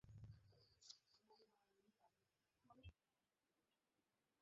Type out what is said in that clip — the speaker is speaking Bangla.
তবে অধিকাংশ ইতিহাসবিদদের ধারণা তিনি অবশ্যই সাহাবাদের অন্তর্ভুক্ত।